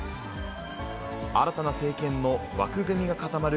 新たな政権の枠組みが固まる